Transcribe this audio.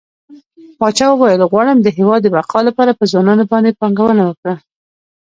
پاچا وويل غواړم د هيواد د بقا لپاره په ځوانانو باندې پانګونه وکړه.